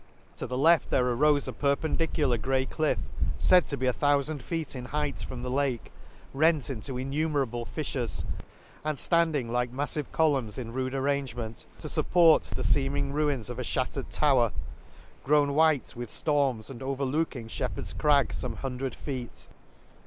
— To the left there arofe a perpen dicular grey cliff, faid to be a thoufand feet in height from the Lake, rent into innumerable fifTures, and flancling like maffive columns in rude arrangment, to fupport the feeming ruins of a Shattered tower, grown white with florms, and overlooking Shepherds Crag forne hun dred feet.